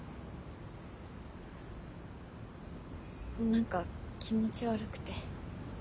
何か気持ち悪くて。